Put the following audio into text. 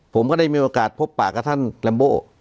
ผมก็ได้มีโอกาสพบปากกับท่านลัมโบ